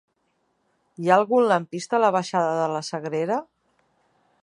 Hi ha algun lampista a la baixada de la Sagrera?